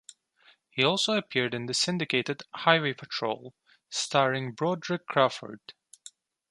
He also appeared in the syndicated "Highway Patrol" starring Broderick Crawford.